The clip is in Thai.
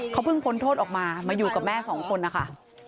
เขาเพิ่งพ้นโทษออกมามาอยู่กับแม่สองคนนะคะ